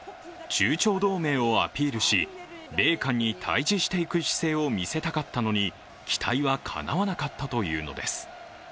中朝同盟をアピールし米韓に対じしていく姿勢を見せたかったのに期待はかなわなかったというのです。